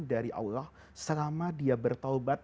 dari allah selama dia bertaubat